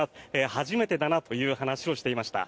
初めてだなという話をしていました。